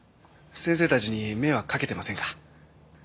先生たちに迷惑かけてませんか？